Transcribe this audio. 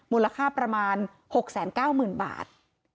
มูลค่าประมาณ๖๙๐๐๐บาท